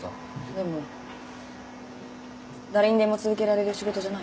でも誰にでも続けられる仕事じゃないよ。